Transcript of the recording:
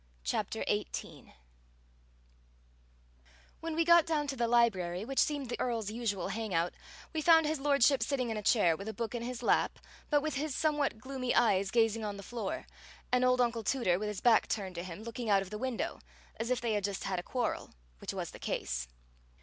CHAPTER XVIII When we got down to the library, which seemed to be the Earl's usual hang out, we found His Lordship sitting in a chair, with a book in his lap, but with his somewhat gloomy eyes gazing on the floor, and old Uncle Tooter, with his back turned to him, looking out of the window, as if they had just had a quarrel, which was the case.